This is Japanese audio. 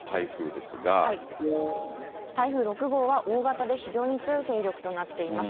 台風６号は、大型で非常に強い勢力となっています。